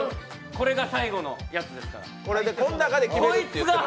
これが最後のやつですから。